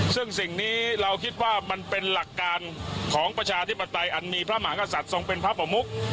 ซึ่งสิ่งนี้เราคิดว่ามันเป็นหลักการของประชาธิปไตยอันมีพระมหากษัตริย์ทรงเป็นพระประมุก